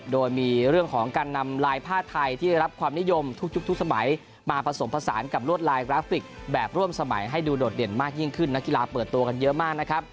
โดยมีเรื่องของการนำลายผ้าไทยที่ได้รับความนิยมทุกสมัยมาผสมผสานกับลวดลายกราฟิกแบบร่วมสมัยให้ดูโดดเด่นมากยิ่งขึ้นนักกีฬาเปิดตัวกันเยอะมากนะครับ